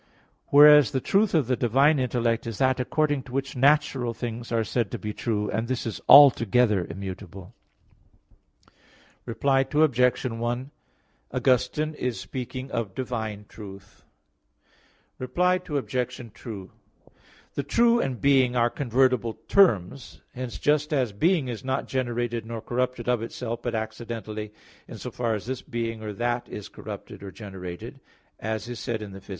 Whereas the truth of the divine intellect is that according to which natural things are said to be true, and this is altogether immutable. Reply Obj. 1: Augustine is speaking of divine truth. Reply Obj. 2: The true and being are convertible terms. Hence just as being is not generated nor corrupted of itself, but accidentally, in so far as this being or that is corrupted or generated, as is said in _Phys.